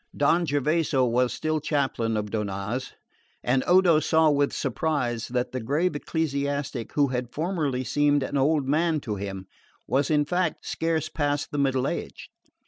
Don Gervaso was still chaplain of Donnaz; and Odo saw with surprise that the grave ecclesiastic who had formerly seemed an old man to him was in fact scarce past the middle age.